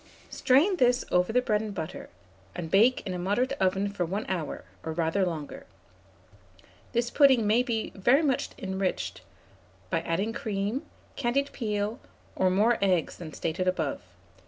Strain this over the bread and butter, and bake in a moderate oven for 1 hour, or rather longer. This pudding may be very much enriched by adding cream, candied peel, or more eggs than stated above.